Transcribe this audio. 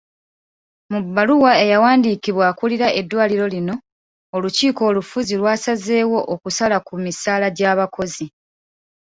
Mu bbaluwa eyawandiikiddwa akulira eddwaliro lino, olukiiko olufuzi lwasazeewo okusala ku misala gy'abakozi.